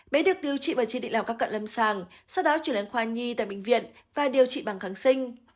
bé được điều trị và tri định làm các cận lâm sàng sau đó chuyển đến khoa nhi tại bệnh viện và điều trị bằng kháng sinh